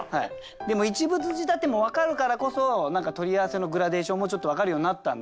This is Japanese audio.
でも一物仕立ても分かるからこそ何か取り合わせのグラデーションもちょっと分かるようになったんで。